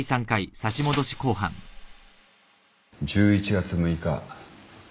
１１月６日